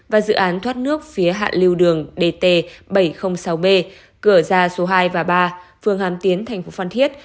và dự án thoát nước phía hạ lưu đường dt bảy trăm linh sáu b cửa ra số hai và ba phường hàm tiến thành phố phan thiết